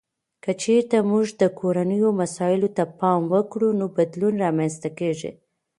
که چیرته موږ د کورنیو مسایلو ته پام وکړو، نو بدلون رامنځته کیږي.